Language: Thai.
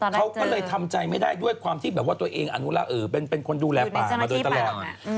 เขาก็เลยทำใจไม่ได้ด้วยความที่แบบว่าตัวเองอนุรักษ์เป็นคนดูแลป่ามาโดยตลอด